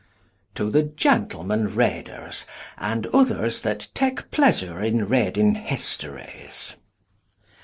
TO THE GENTLEMEN READERS AND OTHERS THAT TAKE PLEASURE IN READING HISTORIES.